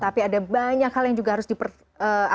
tapi ada banyak hal yang juga harus diperhatikan